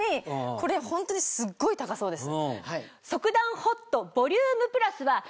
これホントにすっごい高そうです。